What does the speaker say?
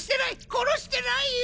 殺してないよ！